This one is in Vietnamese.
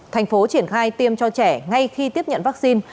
thành phố triển khai tiêm cho trẻ ngay khi tiếp nhận vaccine